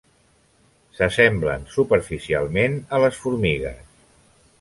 S'assemblen superficialment a les formigues.